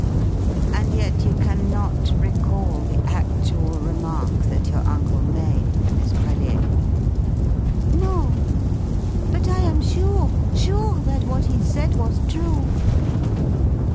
"And yet you can not recall the actual remark that your uncle made, Miss Brellier?" "No. But I am sure, sure that what he said was true."